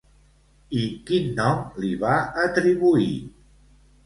I quin nom li va atribuir?